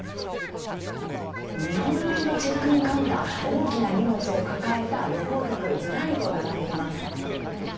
日本行きのチェックインカウンター、大きな荷物を抱えた旅行客、ずらりと並んでいます。